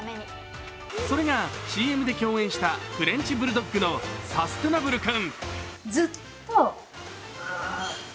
それがＣＭで共演したフレンチブルドッグのサステナブル君。